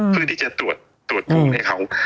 เพื่อที่จะตรวจภูมิให้เขา